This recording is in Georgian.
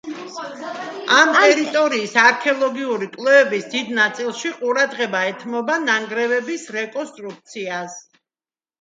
ამ ტერიტორიის არქეოლოგიური კვლევების დიდ ნაწილში ყურადღება ეთმობა ნანგრევების რეკონსტრუქციას.